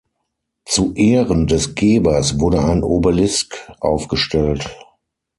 Zu Ehren des Gebers wurde ein Obelisk aufgestellt.